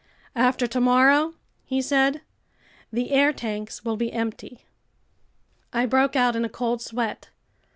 "After tomorrow," he said, "the air tanks will be empty!" I broke out in a cold sweat.